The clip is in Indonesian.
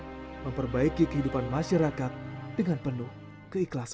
situ tujuan memperbaiki kehidupan masyarakat dengan penuh keikhlasan